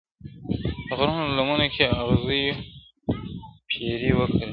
د غرو لمنو کي اغزیو پیرې وکرلې،